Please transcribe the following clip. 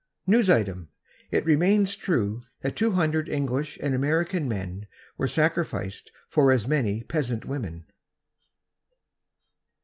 (News Item: It remains true that two hundred English and American men were sacrificed for as many peasant women.")